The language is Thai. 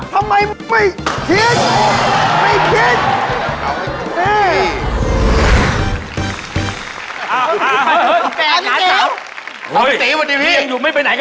เอาหมูปาหัด